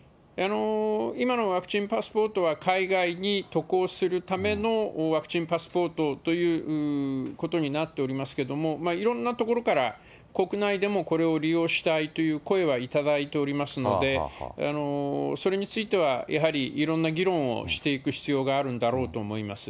今のワクチンパスポートは海外に渡航するためのワクチンパスポートということになっておりますけれども、いろんなところから国内でもこれを利用したいという声は頂いておりますので、それについては、やはりいろんな議論をしていく必要があるんだろうと思います。